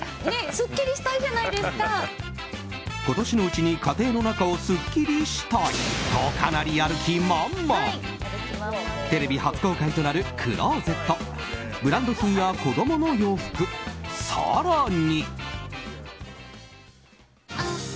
今年のうちに家庭の中をすっきりしたい！とかなり、やる気満々！テレビ初公開となるクローゼットブランド品や子供の洋服、更に。